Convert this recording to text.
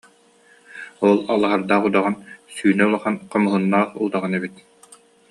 Ол Алыһардаах удаҕан сүүнэ улахан хомуһуннаах удаҕан эбит